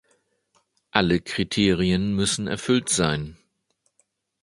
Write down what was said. Alle Kriterien müssen erfüllt sein.